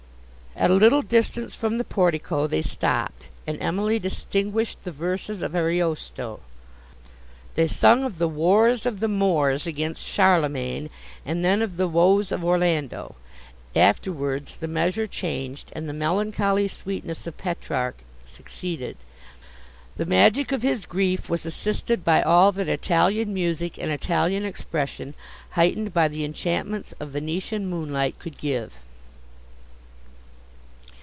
At a little distance from the portico they stopped, and Emily distinguished the verses of Ariosto. They sung of the wars of the Moors against Charlemagne, and then of the woes of Orlando: afterwards the measure changed, and the melancholy sweetness of Petrarch succeeded. The magic of his grief was assisted by all that Italian music and Italian expression, heightened by the enchantments of Venetian moonlight, could give.